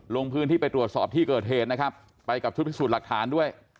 ลงพื้นที่ไปตรวจสอบที่เกิดเหตุนะครับไปกับชุดพิสูจน์หลักฐานด้วย